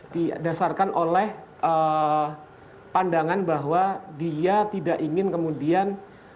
didasarkan oleh pandangan bahwa dia tidak ingin kemudian